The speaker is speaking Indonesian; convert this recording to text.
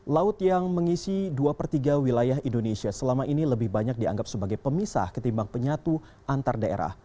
laut yang mengisi dua per tiga wilayah indonesia selama ini lebih banyak dianggap sebagai pemisah ketimbang penyatu antar daerah